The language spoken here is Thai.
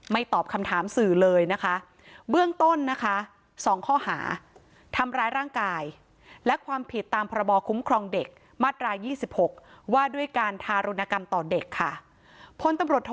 ไม่ตอบคำถามสื่อเลยนะคะเบื้องต้นน่ะค่ะ